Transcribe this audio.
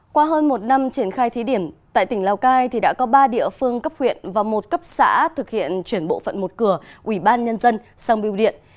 qua hơn một năm triển khai thí điểm tại tỉnh lào cai đã có ba địa phương cấp huyện và một cấp xã thực hiện chuyển bộ phận một cửa ubnd sang biêu điện